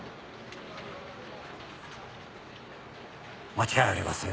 間違いありません。